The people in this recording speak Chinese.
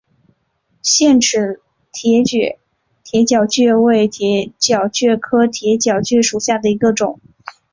腺齿铁角蕨为铁角蕨科铁角蕨属下的一个种。